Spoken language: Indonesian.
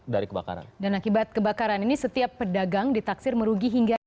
dan akibat kebakaran ini setiap pedagang ditaksir merugi hingga